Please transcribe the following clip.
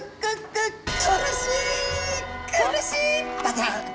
苦しい。